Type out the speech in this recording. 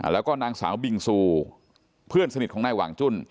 แล้วก็นางสาวบิงซูเพื่อนสนิทของนายหว่างจุ้น